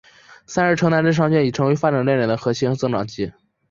三是城镇商圈已经成为发展亮点和核心增长极。